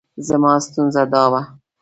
زما ستونزه دا وه.